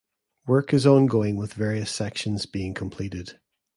Work is ongoing with various sections being completed.